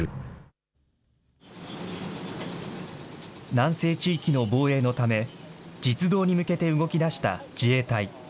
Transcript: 南西地域の防衛のため、実動に向けて動き出した自衛隊。